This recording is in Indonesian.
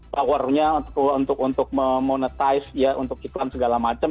powernya untuk untuk untuk memonetize ya untuk kita dan segala macam